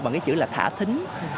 bằng cái chữ là thả thính